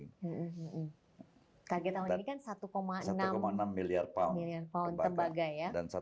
target tahun ini kan satu enam miliar pound